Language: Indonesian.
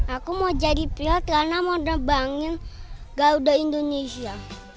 aku mau jadi pilot karena mau terbangin gauda indonesia